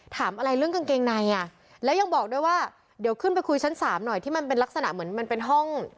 ถามอะไรเรื่องกางเกงในอ่ะแล้วยังบอกด้วยว่าเดี๋ยวขึ้นไปคุยชั้นสามหน่อยที่มันเป็นลักษณะเหมือนมันเป็นห้อง